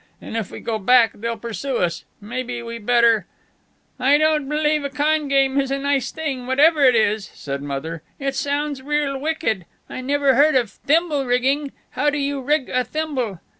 "And if we go back they'll pursue us. Maybe we better " "I don't believe a con game is a nice thing, whatever it is," said Mother. "It sounds real wicked. I never heard of thimble rigging. How do you rig a thimble?"